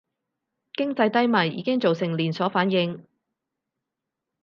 經濟低迷已經造成連鎖反應